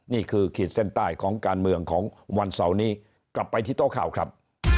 ขีดเส้นใต้ของการเมืองของวันเสาร์นี้กลับไปที่โต๊ะข่าวครับ